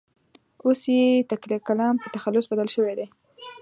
اوس یې تکیه کلام په تخلص بدل شوی دی.